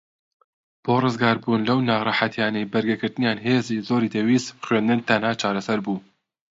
بۆ ڕزگاربوون لەو ناڕەحەتیانەی بەرگەگرتنیان هێزی زۆری دەویست خوێندن تەنھا چارەسەر بوو